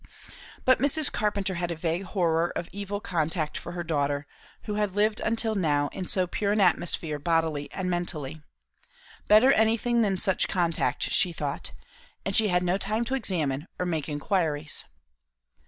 But Mrs. Carpenter had a vague horror of evil contact for her daughter, who had lived until now in so pure an atmosphere bodily and mentally. Better anything than such contact, she thought; and she had no time to examine or make inquiries.